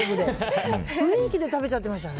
雰囲気で食べちゃってましたね。